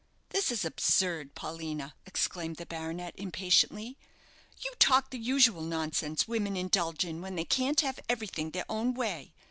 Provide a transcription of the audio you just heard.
"This is absurd, Paulina," exclaimed the baronet, impatiently; "you talk the usual nonsense women indulge in when they can't have everything their own way.